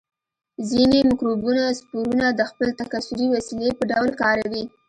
ځینې مکروبونه سپورونه د خپل تکثري وسیلې په ډول کاروي.